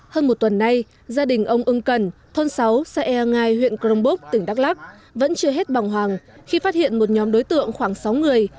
hơn một tuần nay gia đình ông ưng cần thôn sáu xã ea ngai huyện crong búc tỉnh đắk lắc vẫn chưa hết bằng hoàng khi phát hiện một nhóm đối tượng khoảng sáu người